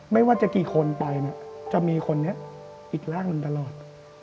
ไม่ว่าจะกี่คนไปจะมีคนอีกร่างนั้นตลอด